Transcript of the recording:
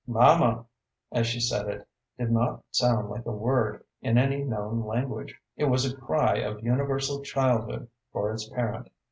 "Mamma," as she said it, did not sound like a word in any known language. It was like a cry of universal childhood for its parent.